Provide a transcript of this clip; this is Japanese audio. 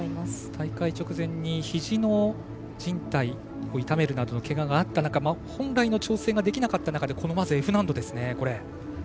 大会直前にひじのじん帯を痛めるなどのけががあった中本来の調整ができなかった中でこの、Ｆ難度ですね。